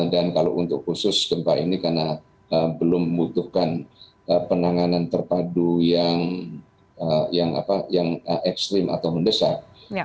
dan kalau untuk khusus gempa ini karena belum membutuhkan penanganan terpadu yang ekstrim atau mendesak